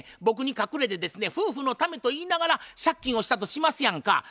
僕に隠れてですね夫婦のためといいながら借金をしたとしますやんか。